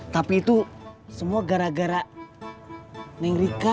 tapi itu semua gara gara neng rika